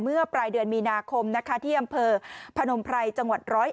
เมื่อปลายเดือนมีนาคมนะคะที่อำเภอพนมไพรจังหวัด๑๐๑